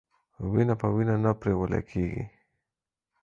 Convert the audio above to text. وينه په وينه نه پريوله کېږي.